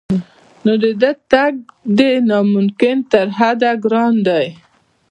نو د دې تګ دی نا ممکن تر حده ګران دی